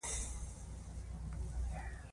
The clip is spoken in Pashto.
انګلیسیانو خپل پوځیان ښایي په عملیاتو لګیا شي.